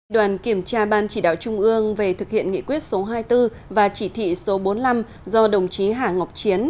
đoàn kiểm tra ban chỉ đạo trung ương về thực hiện nghị quyết số hai mươi bốn và chỉ thị số bốn mươi năm do đồng chí hà ngọc chiến